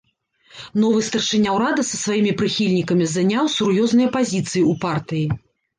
Новы старшыня ўрада са сваімі прыхільнікамі заняў сур'ёзныя пазіцыі ў партыі.